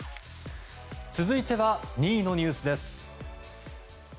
続いては２位のニュースです。